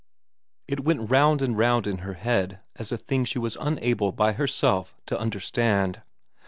It went round and round in her head as a thing she was unable, by herself, to understand.